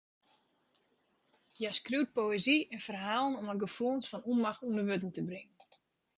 Hja skriuwt poëzy en ferhalen om har gefoelens fan ûnmacht ûnder wurden te bringen.